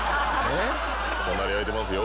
「隣空いてますよ」